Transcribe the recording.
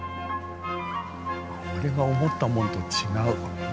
俺が思ったものと違う。